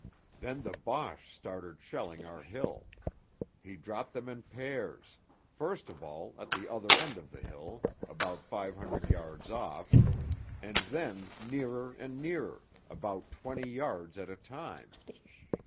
_Then the Boche started shelling our hill; he dropped them in pairs, first of all at the other end of the hill, about 500 yards off, and then nearer and nearer, about 20 yards at a time